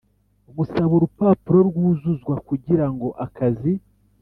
Gusaba urupapuro rwuzuzwa kugira ngo akazi